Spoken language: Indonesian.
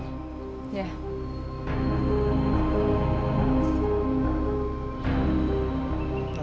terima kasih kak